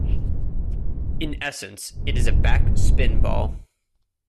In essence it is a back spin ball.